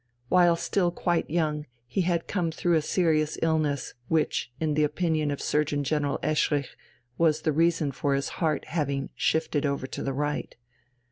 While still quite young he had come through a serious illness, which, in the opinion of Surgeon General Eschrich, was the reason for his heart having "shifted over to the right."